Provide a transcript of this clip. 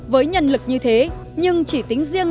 với nhân lực như thế nhưng chỉ tính riêng